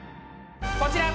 こちら！